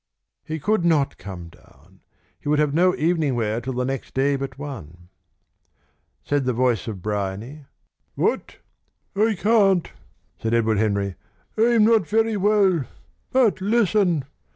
He could not come down. He would have no evening wear till the next day but one. Said the voice of Bryany: "What?" "I can't," said Edward Henry. "I'm not very well. But listen.